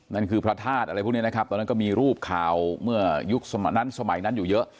นั่นคือพระธาตุอะไรพวกนี้นะครับตอนนั้นก็มีรูปข่าวเมื่อยุคสมัยนั้นสมัยนั้นอยู่เยอะ